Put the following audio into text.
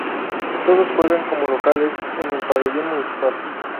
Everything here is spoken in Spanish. Todos juegan como locales en el Pabellón Municipal.